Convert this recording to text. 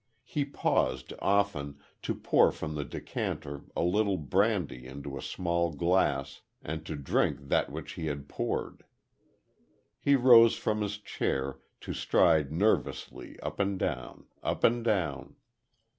He paused, often, to pour from the decanter a little brandy into a small glass, and to drink that which he had poured. He rose from his chair, to stride nervously, up and down, up and down.